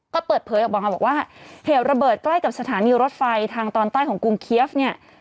ก็เปิดเผยออกมาบอกว่าเหตุระเบิดใกล้กับสถานีรถไฟทางตอนใต้ของกรุงเคียฟเนี่ย